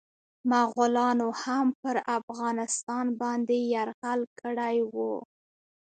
مغولانو هم پرافغانستان باندي يرغل کړی و.